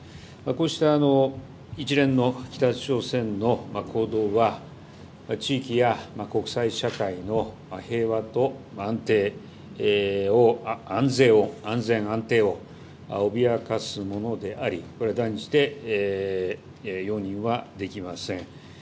こうした一連の北朝鮮の行動は地域や国際社会の平和と安全、安定を脅かすものであり断じて容認はできません。